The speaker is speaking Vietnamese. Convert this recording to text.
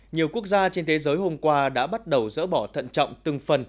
nhiều quốc gia trên thế giới hôm qua đã bắt đầu dỡ bỏ thận trọng từng phần